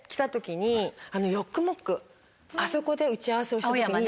あそこで打ち合わせをした時に。